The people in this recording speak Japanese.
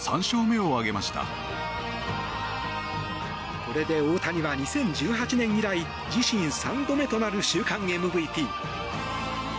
これで大谷は２０１８年以来自身３度目となる週間ＭＶＰ。